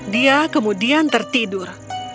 dia kemudian tertidur